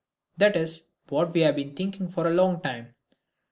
That is what we have been thinking for a long time.